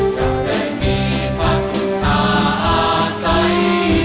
จะได้มีภาคสุทธาอาศัย